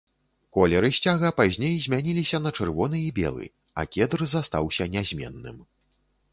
Колеры сцяга пазней змяніліся на чырвоны і белы, а кедр застаўся нязменным.